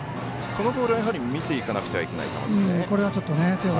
このボールは見ていかなければいけない球ですね。